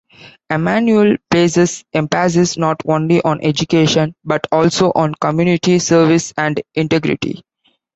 Emmanuel places emphasis not only on education, but also on community service and integrity.